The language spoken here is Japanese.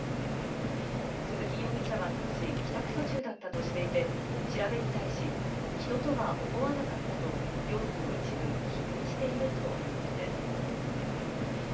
鈴木容疑者は当時、帰宅途中だったとしていて調べに対し、人とは思わなかったと容疑を一部否認しているということです。